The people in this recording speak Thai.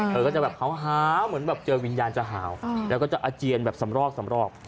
คือจะแบบเหมาะเหมือนแบบเจอวิญญาณจะห่าวแล้วก็จะอาเจียนแบบสำรอบ